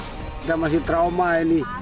kita masih trauma ini